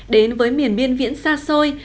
đến với miền biên viễn xa xôi